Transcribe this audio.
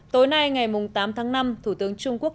tối nay ngày tám tháng năm thủ tướng trung quốc